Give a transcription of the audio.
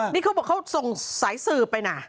นี่เขาบอกเขาส่งสายสืบไปนะ